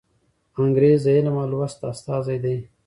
انګریز د علم او لوست استازی دی.